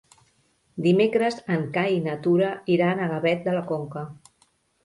Dimecres en Cai i na Tura iran a Gavet de la Conca.